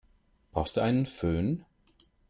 Brauchst du einen Fön?